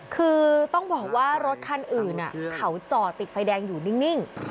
คือต้องบอกว่ารถคันอื่นเขาจอดติดไฟแดงอยู่นิ่ง